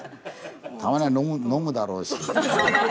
たまには飲むだろうし。